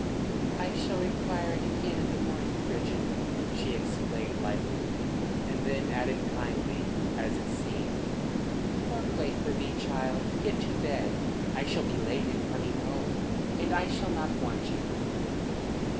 "I shall require it again in the morning, Bridget," she explained lightly. And then added kindly, as it seemed: "Don't wait for me, child. Get to bed. I shall be late in coming home, and I shall not want you."